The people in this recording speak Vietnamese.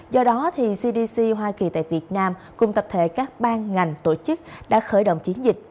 do đó cdc hoa kỳ tại việt nam cùng tập thể các ban ngành tổ chức đã khởi động chiến dịch